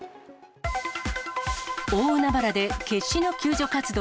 大海原で決死の救助活動。